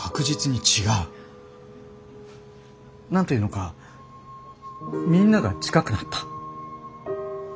何て言うのかみんなが近くなった。